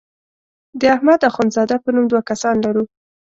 د احمد اخوند زاده په نوم دوه کسان لرو.